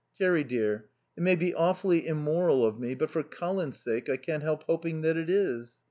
"Jerry dear, it may be awfully immoral of me, but for Colin's sake I can't help hoping that it is.